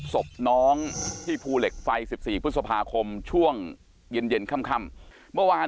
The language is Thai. ศพน้องที่ภูเหล็กไฟ๑๔พฤษภาคมช่วงเย็นเย็นค่ำเมื่อวาน